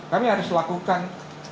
kami harus lakukan